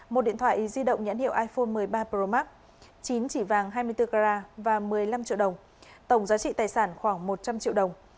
một điện thoại di động nhãn hiệu iphone một mươi ba pro max chín chỉ vàng hai mươi bốn gra và một mươi năm triệu đồng tổng giá trị tài sản khoảng một trăm linh triệu đồng